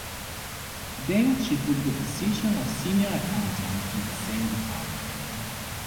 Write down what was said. Then she took the position of senior accountant in the same department.